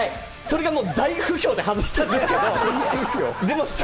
それが大不評で外したんです。